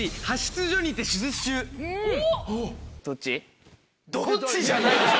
「どっち？」じゃないでしょ！